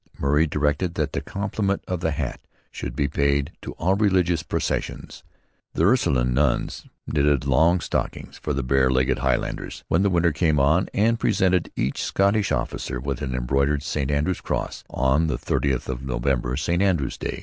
Murray directed that 'the compliment of the hat' should be paid to all religious processions. The Ursuline nuns knitted long stockings for the bare legged Highlanders when the winter came on, and presented each Scottish officer with an embroidered St Andrew's Cross on the 30th of November, St Andrew's Day.